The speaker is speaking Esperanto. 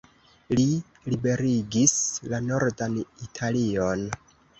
Li liberigis la nordan Italion.